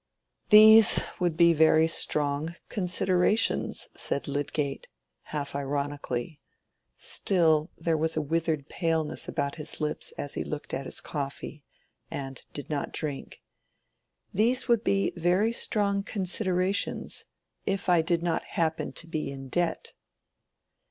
"These would be very strong considerations," said Lydgate, half ironically—still there was a withered paleness about his lips as he looked at his coffee, and did not drink—"these would be very strong considerations if I did not happen to be in debt."